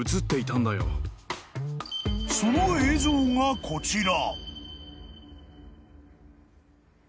［その映像がこちら］